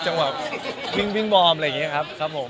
จังหวะวิ่งบอมอะไรอย่างงี้ครับ